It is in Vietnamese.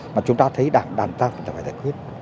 mà chúng ta thấy đảng đảng ta phải giải quyết